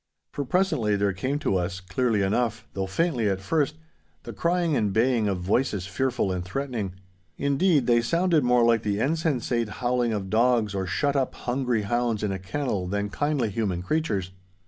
For presently there came to us, clearly enough, though faintly at first, the crying and baying of voices fearful and threatening. Indeed they sounded more like the insensate howling of dogs or shut up hungry hounds in a kennel than kindly human creatures.